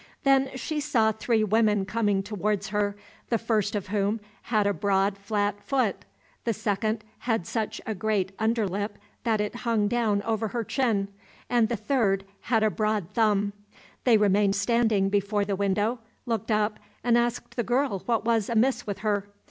Then she saw three women coming towards her, the first of whom had a broad flat foot, the second had such a great underlip that it hung down over her chin, and the third had a broad thumb. They remained standing before the window, looked up, and asked the girl what was amiss with her?